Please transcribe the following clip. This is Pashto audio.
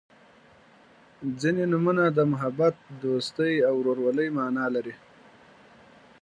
• ځینې نومونه د محبت، دوستۍ او ورورولۍ معنا لري.